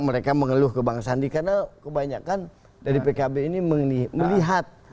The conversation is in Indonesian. mereka mengeluh ke bang sandi karena kebanyakan dari pkb ini melihat